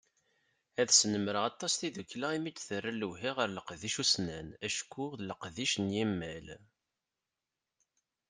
Ad snemreɣ aṭas tiddukkla imi i d-terra lewhi ɣer leqdic ussnan acku d leqdic n yimal.